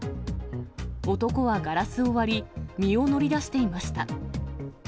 男はガラスを割り、身を乗り出していました。